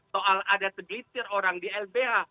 soal ada tergelisir orang di lba